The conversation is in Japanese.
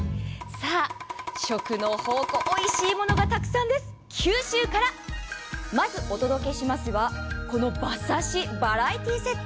食の宝庫、おいしいものがたくさんです、九州からまずお届けしますのは、馬刺しバラエティーセット。